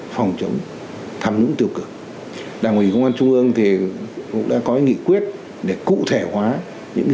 phòng chống tham nhũng tiêu cực đảng ủy công an trung ương cũng đã có nghị quyết để cụ thể hóa những